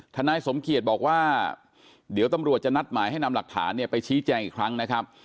นายสมเกียจบอกว่าเดี๋ยวตำรวจจะนัดหมายให้นำหลักฐานเนี่ยไปชี้แจงอีกครั้งนะครับ